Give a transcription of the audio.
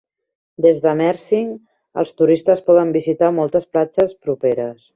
Des de Mersing, els turistes poden visitar moltes platges properes.